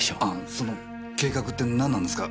その計画って何なんですか？